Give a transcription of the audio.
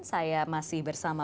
saya masih bersama